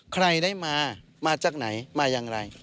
ใครได้มามาจากไหนมาอย่างไร